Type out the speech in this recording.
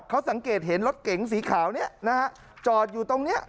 เขาสังเกตเห็นรถเก๋งสีขาวเนี่ยนะฮะจอดอยู่ตรงนี้